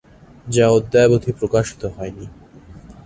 যা অদ্যাবধি প্রকাশিত হয়নি।